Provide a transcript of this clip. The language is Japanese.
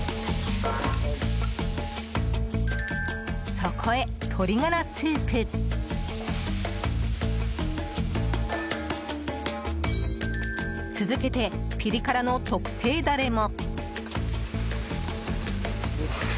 そこへ、鶏ガラスープ続けてピリ辛の特製ダレも。